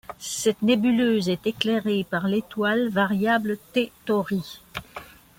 Cette nébuleuse est éclairée par l'étoile variable T Tauri.